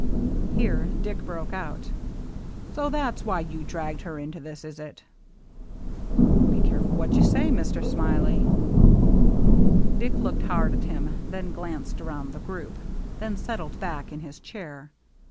Here Dick broke out. " So that's why you dragged her into this, is it ?"" Be careful what you say, Mr. Smiley." Dick looked hard at him, then glanced around the group, then settled back in his chair.